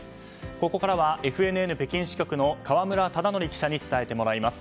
ここからはＦＮＮ北京支局の河村忠徳記者に伝えてもらいます。